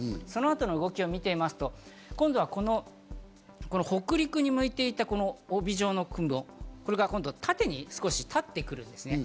そのあとの動きを見てみますと、今度はこの北陸に向いていた帯状の雲、これが今度は縦にたってくるんです。